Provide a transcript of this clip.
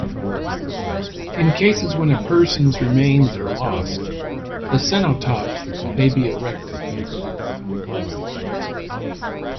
In cases when a person's remains are lost, a cenotaph may be erected.